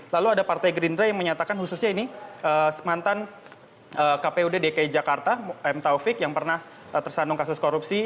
lalu ada partai gerindra yang menyatakan khususnya ini mantan kpud dki jakarta m taufik yang pernah tersandung kasus korupsi